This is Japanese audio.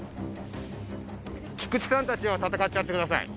菊池さんたちは戦っちゃってください。